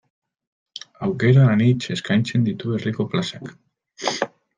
Aukera anitz eskaintzen ditu herriko plazak.